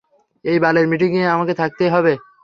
এই বালের মিটিংএ আমাকে থাকতেই হবে?